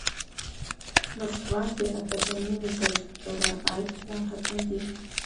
Москвантә атопонимиказ қәҵарак ааит ҳәа ҳаҿымзи.